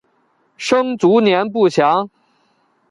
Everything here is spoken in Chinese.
生卒年不详。